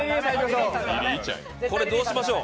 これ、どうしましょう。